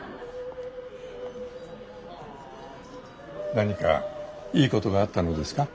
何かいいことがあったのですか？